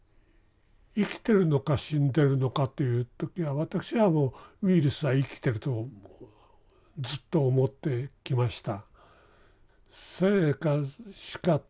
生きてるのか死んでるのかという時は私はウイルスは生きてるとずっと思ってきました。